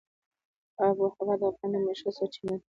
آب وهوا د افغانانو د معیشت سرچینه ده.